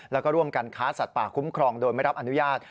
แล้วก็ร่วมกันค้าสัตว์ป่าคุ้มครองโดยไม่รับอนุญาต